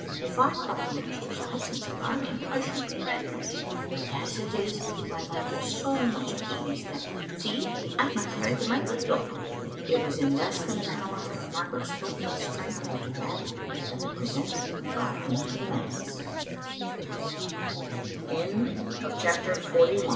If I thought the minister's absence alarming, I should be in anguish; but as it is, my mind is so much at ease that, see, I can thread my needle." It was in less than an hour after Margaret spoke thus tranquilly to Babbie that the precento